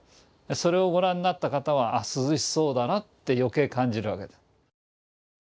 それをご覧になった方は「涼しそうだな」ってよけい感じるわけです。